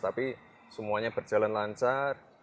tapi semuanya berjalan lancar